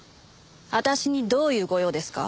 私にどういうご用ですか？